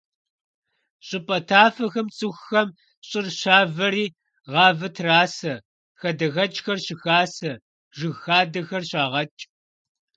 ЩӀыпӀэ тафэхэм цӀыхухэм щӀыр щавэри гъавэ трасэ, хадэхэкӀхэр щыхасэ, жыг хадэхэр щагъэкӀ.